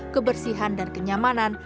kebersihan dan kenyamanan